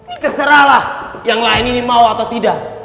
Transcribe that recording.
ini terserahlah yang lain ini mau atau tidak